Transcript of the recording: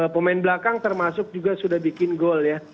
pemain belakang termasuk juga sudah bikin gol ya